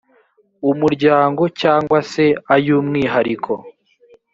umuryango cyangwa se ay umwihariko